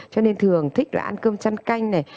cho nên thường thích là ăn cơm chăn canh này